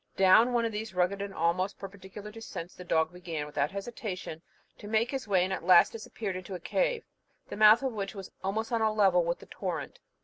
Down one of these rugged and almost perpendicular descents, the dog began, without hesitation, to make his way, and at last disappeared into a cave, the mouth of which was almost on a level with the torrent.